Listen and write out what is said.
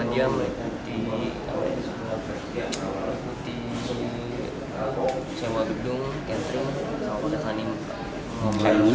dia menikuti sewa gedung kentring sama pada honeymoon